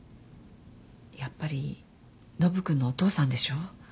やっぱりノブ君のお父さんでしょ？